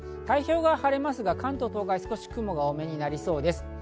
太平洋側は晴れますが、関東、東海、雲が多めになりそうです。